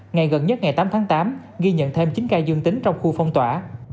ngày gần nhất ngày tám tháng tám ghi nhận thêm chín ca dương tính trong khu phong tỏa